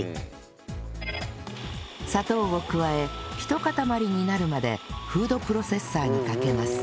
砂糖を加えひとかたまりになるまでフードプロセッサーにかけます